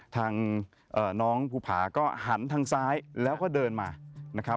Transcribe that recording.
ทางน้องภูภาหันทางซ้ายแล้วก็เดินมา